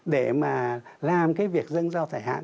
để mà làm cái việc dân sao giải hạn